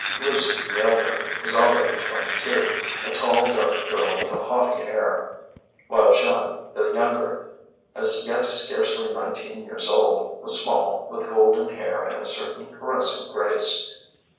Lucie, the elder, was already twenty two, a tall dark girl, with a haughty air; while Jeanne, the younger, as yet scarcely nineteen years old, was small, with golden hair and a certain caressing grace.